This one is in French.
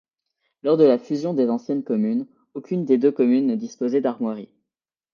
Lors de la fusion des anciennes communes, aucune des deux communes ne disposait d’armoiries.